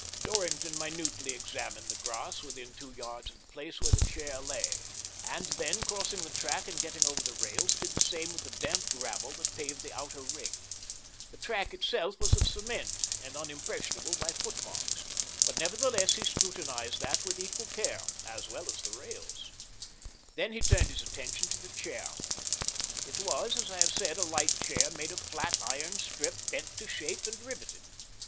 Dorrington minutely examined the grass within two yards of the place where the chair lay, and then, crossing the track and getting over the rails, did the same with the damp gravel that paved the outer ring. The track itself was of cement, and unimpressionable by footmarks, but nevertheless he scrutinised that with equal care, as well as the rails. Then he turned his attention to the chair. It was, as I have said, a light chair made of flat iron strip, bent to shape and riveted.